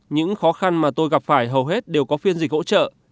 những khó khăn mà tôi gặp phải hầu hết đều có phiên dịch hỗ trợ